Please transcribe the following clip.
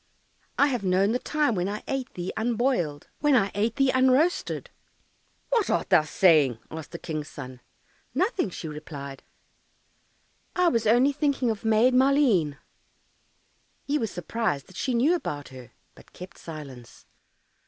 I have known the time When I ate thee unboiled, When I ate thee unroasted." "What art thou saying?" asked the King's son. "Nothing," she replied, "I was only thinking of Maid Maleen." He was surprised that she knew about her, but kept silence.